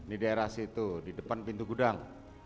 di daerah situ di depan pintu gudang